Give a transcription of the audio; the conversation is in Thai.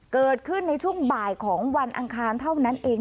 เกิดขึ้นในช่วงบ่ายของวันอังคารเท่านั้นเอง